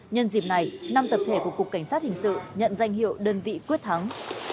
nhân dịp này năm tập thể của cục cảnh sát hình sự nhận danh hiệu đơn vị quyết thắng